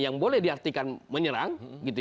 yang boleh diartikan menyerang